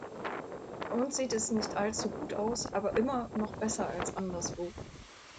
Bei uns sieht es nicht allzu gut aus, aber immer noch besser als anderswo.